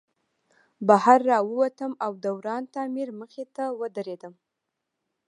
بهر راووتم او د وران تعمیر مخې ته ودرېدم